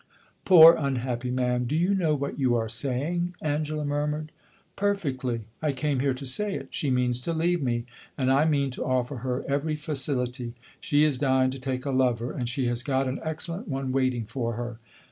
"Poor, unhappy man, do you know what you are saying?" Angela murmured. "Perfectly. I came here to say it. She means to leave me, and I mean to offer her every facility. She is dying to take a lover, and she has got an excellent one waiting for her.